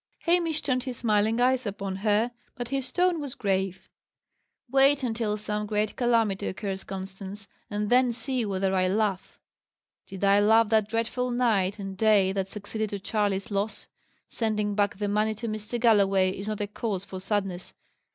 Hamish turned his smiling eyes upon her, but his tone was grave. "Wait until some great calamity occurs, Constance, and then see whether I laugh. Did I laugh that dreadful night and day that succeeded to Charley's loss? Sending back the money to Mr. Galloway is not a cause for sadness.